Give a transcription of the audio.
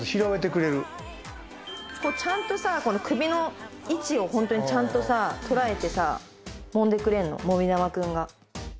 ちゃんとさ首の位置をホントにちゃんとさ捉えてさ揉んでくれるのもみ玉くんが。